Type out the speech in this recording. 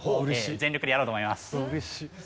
全力でやろうと思います。